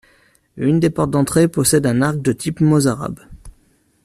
Une des portes d'entrée possède un arc de type mozarabe.